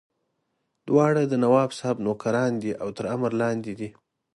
دواړه د نواب صاحب نوکران دي او تر امر لاندې دي.